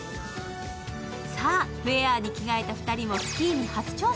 ウェアに着替えた２人もスキーに初挑戦。